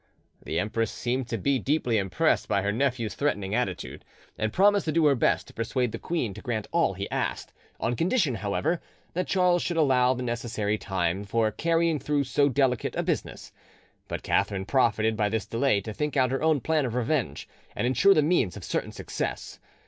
The empress seemed to be deeply impressed by her nephew's threatening attitude, and promised to do her best to persuade the queen to grant all he asked, on condition, however, that Charles should allow the necessary time for carrying through so delicate a business. But Catherine profited by this delay to think out her own plan of revenge, and ensure the means of certain success.